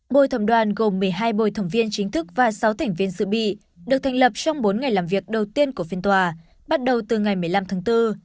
bồi thẩm đoàn gồm một mươi hai bồi thẩm viên chính thức và sáu thành viên dự bị được thành lập trong bốn ngày làm việc đầu tiên của phiên tòa bắt đầu từ ngày một mươi năm tháng bốn